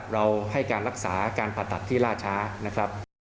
เราให้การรักษาการผ่าตัดที่ราช้า